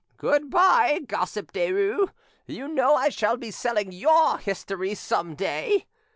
Good bye, gossip Derues; you know I shall be selling your history some day.